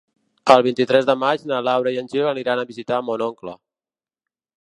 El vint-i-tres de maig na Laura i en Gil aniran a visitar mon oncle.